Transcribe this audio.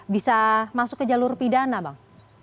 bisa masuk ke jalur pidana bang